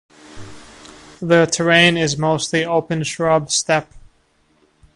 The terrain is mostly open shrub steppe.